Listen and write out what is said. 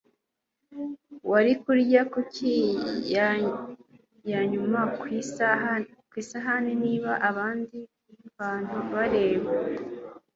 wari kurya kuki ya nyuma ku isahani niba abandi bantu bareba